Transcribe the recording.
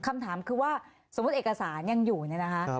คำถามคือว่าสมมุติเอกสารยังอยู่เนี่ยนะคะ